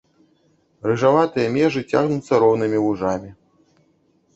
Рыжаватыя межы цягнуцца роўнымі вужамі.